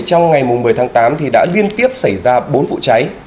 trong ngày một mươi tháng tám đã liên tiếp xảy ra bốn vụ cháy